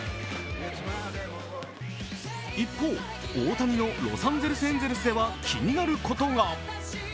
一方、大谷のロサンゼルス・エンゼルスでは、気になることが。